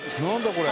これ」